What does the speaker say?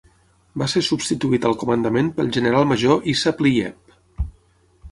Va ser substituït al comandament pel general major Issa Pliyev.